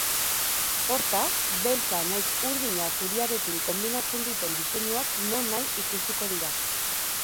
Hortaz, beltza nahiz urdina zuriarekin konbinatzen duten diseinuak nonahi ikusiko dira.